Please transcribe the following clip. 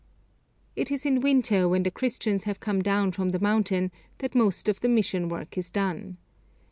It is in winter, when the Christians have come down from the mountain, that most of the mission work is done.